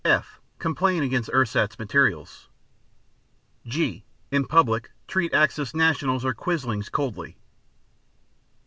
(f) Complain against ersatz materials. (g) In public treat axis nationals or quislings coldly.